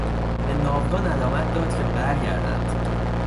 به ناوگان علامت داد که برگردند.